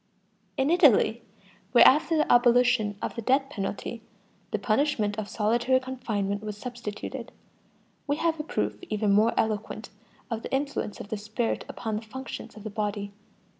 In Italy, where after the abolition of the death penalty the punishment of solitary confinement was substituted, we have a proof even more eloquent of the influence of the spirit upon the functions of the body.